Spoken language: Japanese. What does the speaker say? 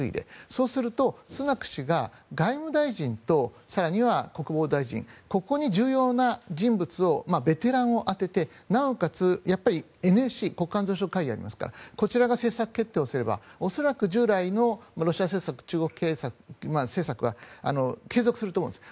そうすると、スナク氏が外務大臣と更には国防大臣ここに重要な人物をベテランを充てて、なおかつＮＳＣ・国家安全保障会議がありますからこちらが政策決定するので従来の中国政策、ロシア政策を継続すると思います。